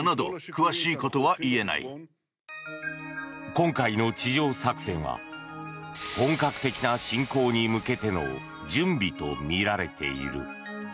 今回の地上作戦は本格的な侵攻に向けての準備とみられている。